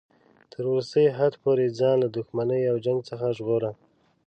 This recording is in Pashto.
تر وروستي حد پورې ځان له دښمنۍ او جنګ څخه ژغوره.